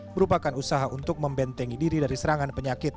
merupakan usaha untuk membentengi diri dari serangan penyakit